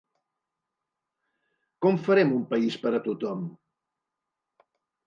Com farem un país per a tothom?